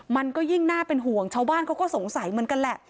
มันก็ยิ่งน่าเป็นห่วงชาวบ้านเขาก็สงสัยเหมือนกันแหละ